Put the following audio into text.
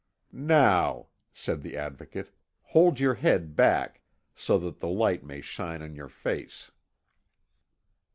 "Now," said the Advocate, "hold your head back, so that the light may shine on your face."